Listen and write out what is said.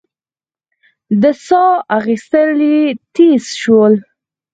د سا اخېستل يې تېز شول.